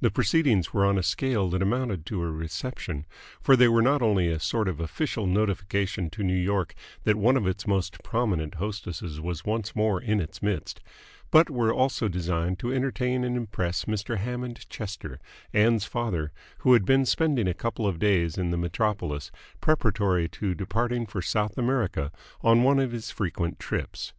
The proceedings were on a scale that amounted to a reception, for they were not only a sort of official notification to New York that one of its most prominent hostesses was once more in its midst, but were also designed to entertain and impress Mr. Hammond Chester, Ann's father, who had been spending a couple of days in the metropolis preparatory to departing for South America on one of his frequent trips.